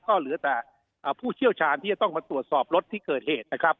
ก็เหลือแต่ผู้เชี่ยวชาญที่จะต้องมาตรวจสอบรถที่เกิดเหตุนะครับ